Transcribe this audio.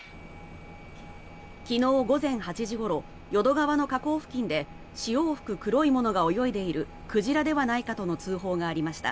昨日午前８時ごろ淀川の河口付近で潮を噴く黒いものが泳いでいる鯨ではないかとの通報がありました。